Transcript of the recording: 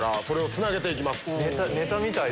ネタみたい！